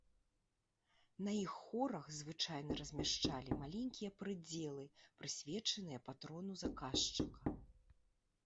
На іх хорах звычайна размяшчалі маленькія прыдзелы, прысвечаныя патрону заказчыка.